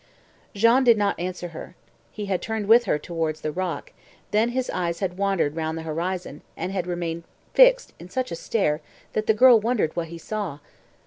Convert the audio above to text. Jean did not answer her. He had turned with her towards the rock; then his eyes had wandered round the horizon, and had remained fixed in such a stare that the girl wondered what he saw.